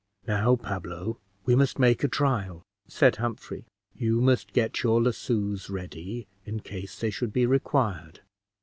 "Now, Pablo, we must make a trial," said Humphrey. "You must get your lassoes ready, in case they should be required.